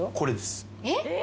えっ？